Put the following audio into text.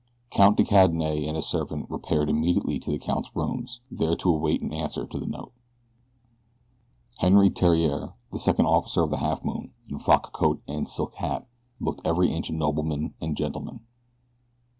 Count de Cadenet and his servant repaired immediately to the count's rooms, there to await an answer to the note. Henri Theriere, the second officer of the Halfmoon, in frock coat and silk hat looked every inch a nobleman and a gentleman.